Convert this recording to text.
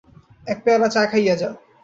এক পেয়ালা চা খাইয়া যান।